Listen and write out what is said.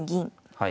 はい。